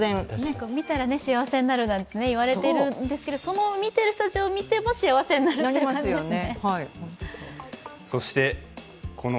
見たら幸せになるなんて言われているんですけど、その見ている人たちを見ても幸せになる感じですね。